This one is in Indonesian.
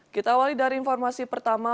kita awali dari informasi pertama